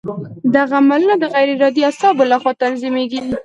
دغه عملونه د غیر ارادي اعصابو له خوا تنظیمېږي.